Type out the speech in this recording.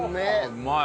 うまい。